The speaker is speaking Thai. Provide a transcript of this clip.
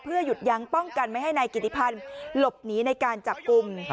หยุดยั้งป้องกันไม่ให้นายกิติพันธ์หลบหนีในการจับกลุ่ม